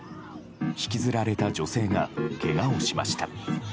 引きずられた女性がけがをしました。